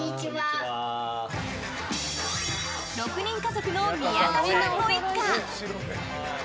６人家族の宮田さんご一家。